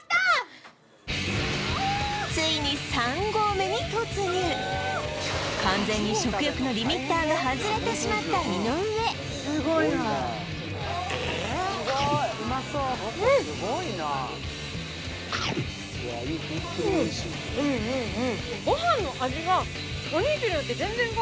ついに完全に食欲のリミッターが外れてしまった井上スゴいわうんうんうんうんうん